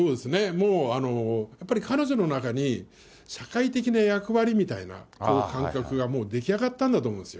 もう、やっぱり彼女の中に社会的な役割みたいな感覚がもう出来上がったんだと思います。